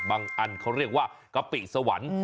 อันเขาเรียกว่ากะปิสวรรค์